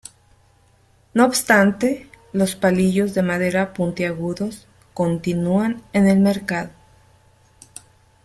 No obstante, los palillos de madera puntiagudos continúan en el mercado.